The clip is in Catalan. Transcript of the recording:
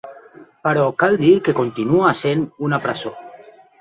Però cal dir que continua essent una presó.